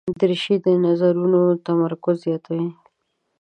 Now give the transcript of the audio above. دریشي د نظرونو تمرکز زیاتوي.